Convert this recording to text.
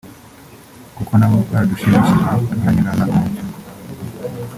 kuko nabo baradushimishije tuhanyurana umucyo